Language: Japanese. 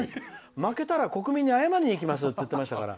負けたら国民に謝りにいきますって言ってましたから。